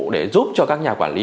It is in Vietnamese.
để giúp cho các nhà quản lý